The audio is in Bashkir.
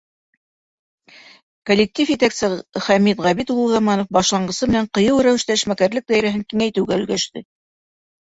Коллектив етәксе Хәмит Ғәбит улы Уҙаманов башланғысы менән ҡыйыу рәүештә эшмәкәрлек даирәһен киңәйтеүгә өлгәште.